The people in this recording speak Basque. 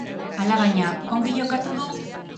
Alabaina, ongi jokatu du?